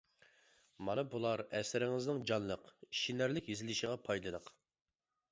مانا بۇلار ئەسىرىڭىزنىڭ جانلىق، ئىشىنەرلىك يېزىلىشىغا پايدىلىق.